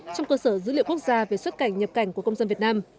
trong cơ sở dữ liệu quốc gia về xuất cảnh nhập cảnh của công dân việt nam